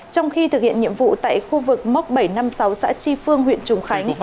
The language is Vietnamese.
trong khi thực hiện nhiệm vụ tại khu vực móc bảy trăm năm mươi sáu xã tri phương huyện trùng khánh